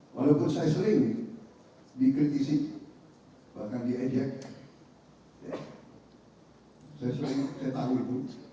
walaupun saya sering dikritisi bahkan diajak saya sering saya tahu itu